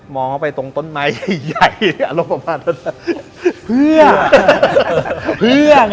มองเข้าไปตรงต้นไม้ใหญ่อารมณ์ประมาณเท่าเดียว